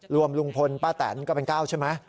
ลุงพลป้าแตนก็เป็น๙ใช่ไหม